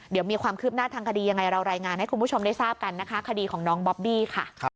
เดี๋ยวมีความคืบหน้าทางคดียังไงเรารายงานให้คุณผู้ชมได้ทราบกันนะคะคดีของน้องบอบบี้ค่ะ